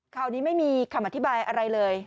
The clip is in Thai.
คราวนี้ไม่มีคำอธิบายอะไรเลย